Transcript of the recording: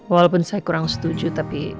walaupun saya kurang setuju tapi